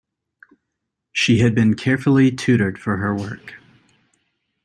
She had been carefully tutored for her work.